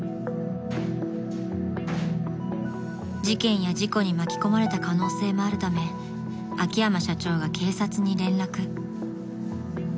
［事件や事故に巻き込まれた可能性もあるため秋山社長が警察に連絡］